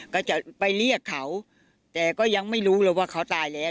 ก็จะไปเรียกเขาแต่ก็ยังไม่รู้เลยว่าเขาตายแล้ว